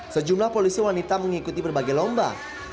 sejumlah polisi wanita mengikuti berbagai lomba